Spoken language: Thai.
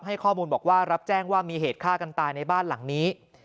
ให้ข้อมูลบอกว่ารับแจ้งว่ามีเหตุฆ่ากันตายในบ้านหลังนี้